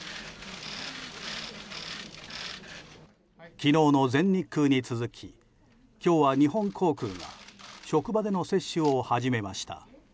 昨日の全日空に続き今日は日本航空が職場での接種を始めました。